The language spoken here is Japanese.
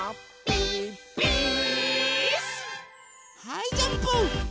はいジャンプ！